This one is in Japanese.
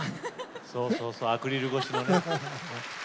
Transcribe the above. そうそうそうアクリル越しのね。